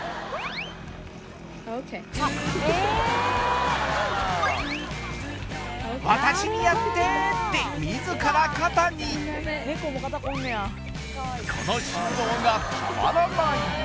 ・ＯＫ「私にやって」って自ら肩にこの振動がたまらない